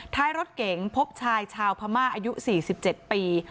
ท้ายรถเก๋งพบชายชาวพม่าอายุ๔๗ปี